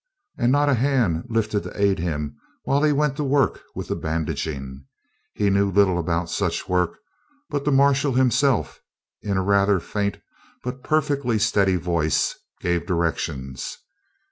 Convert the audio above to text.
And not a hand lifted to aid him while he went to work with the bandaging. He knew little about such work, but the marshal himself, in a rather faint, but perfectly steady voice, gave directions.